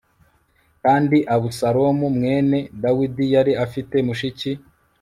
kandi abusalomu mwene dawidi yari afite mushiki